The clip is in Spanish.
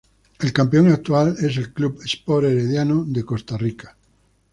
El campeón actual es el Club Sport Herediano de Costa Rica.